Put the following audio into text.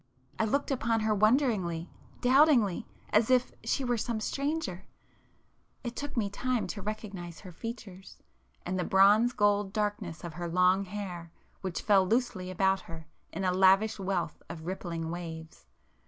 I looked upon her wonderingly,—doubtingly,—as if she were some stranger;—it took me time to recognize her features, and the bronze gold darkness of her long hair which fell loosely about her in a lavish wealth of rippling waves